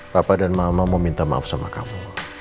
papa dan mama mau minta maaf sama kamu